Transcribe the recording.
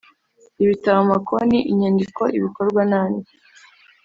ibitabo amakonti inyandiko ibikorwa n andi